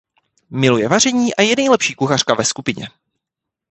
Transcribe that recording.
Miluje vaření a je nejlepší kuchařka ve skupině.